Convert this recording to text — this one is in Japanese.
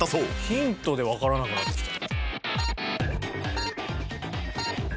ヒントでわからなくなってきた。